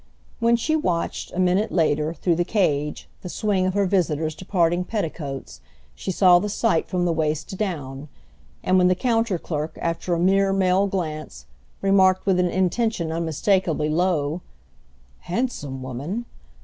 When she watched, a minute later, through the cage, the swing of her visitor's departing petticoats, she saw the sight from the waist down; and when the counter clerk, after a mere male glance, remarked, with an intention unmistakeably low, "Handsome woman!"